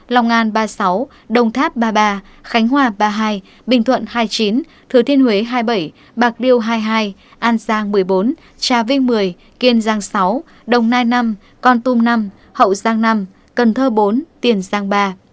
lòng an ba mươi sáu đồng tháp ba mươi ba khánh hòa ba mươi hai bình thuận hai mươi chín thừa thiên huế hai mươi bảy bạc liêu hai mươi hai an giang một mươi bốn trà vinh một mươi kiên giang sáu đồng nai năm con tum năm hậu giang năm cần thơ bốn tiền giang ba